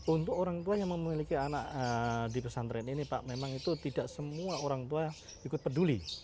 untuk orang tua yang memiliki anak di pesantren ini pak memang itu tidak semua orang tua ikut peduli